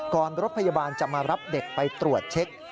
รถพยาบาลจะมารับเด็กไปตรวจเช็ค